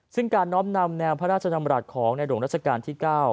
ซึ่งการน้อมนำแนวพระราชดำรัฐของในหลวงรัชกาลที่๙